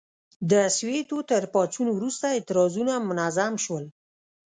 د سووېتو تر پاڅون وروسته اعتراضونه منظم شول.